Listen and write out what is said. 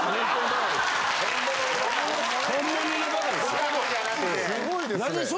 本物のバカです。